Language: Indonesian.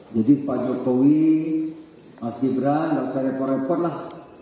jadi pak jokowi mas gibran tak usah repot repot lah